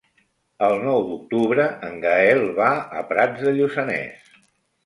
El nou d'octubre en Gaël va a Prats de Lluçanès.